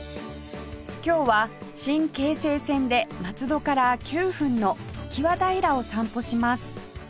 今日は新京成線で松戸から９分の常盤平を散歩します